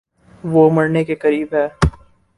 وہ مرنے کے قریب ہے